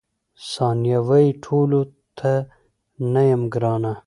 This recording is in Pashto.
ثانیه وايي، ټولو ته نه یم ګرانه.